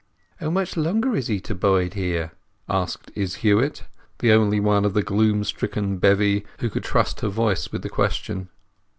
"How much longer is he to bide here?" asked Izz Huett, the only one of the gloom stricken bevy who could trust her voice with the question.